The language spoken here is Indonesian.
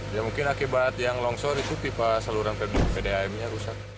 ya mungkin akibat yang longsor itu pipa saluran pdam nya rusak